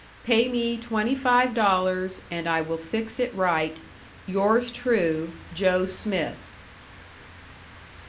Pay me twenty five dollars, and I will fix it right. Yours try, Joe Smith."